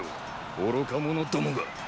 愚か者どもが。